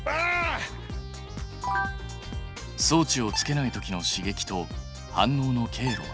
装置をつけたときの刺激と反応の経路は。